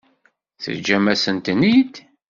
Teǧǧam-asen-ten-id.